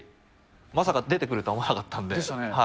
まさか出てくるとは思わなかったんで。